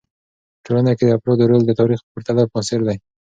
په ټولنه کې د افرادو رول د تاریخ په پرتله معاصر دی.